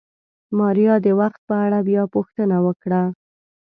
ماريا د وخت په اړه بيا پوښتنه وکړه.